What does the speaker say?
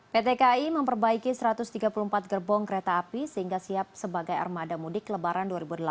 pt kai memperbaiki satu ratus tiga puluh empat gerbong kereta api sehingga siap sebagai armada mudik lebaran dua ribu delapan belas